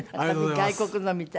外国のみたい。